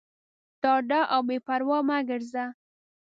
ډاډه او بېپروا مه ګرځه.